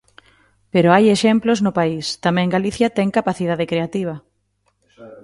Pero hai exemplos no país, tamén Galicia ten capacidade creativa.